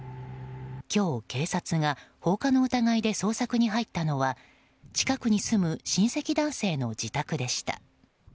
今日、警察が放火の疑いで捜索に入ったのは近くに住む親戚男性の自宅でした。